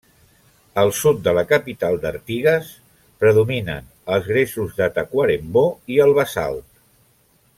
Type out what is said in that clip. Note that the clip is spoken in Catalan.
Al sud de la capital d'Artigas, predominen els gresos de Tacuarembó i el basalt.